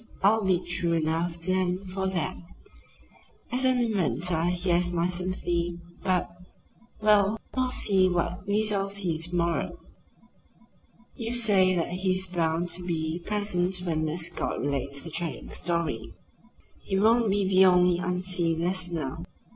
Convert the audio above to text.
I'll be true enough to him for that. As an inventor he has my sympathy; but Well, we will see what we shall see, to morrow. You say that he is bound to be present when Miss Scott relates her tragic story. He won't be the only unseen listener.